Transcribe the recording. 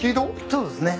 そうですね。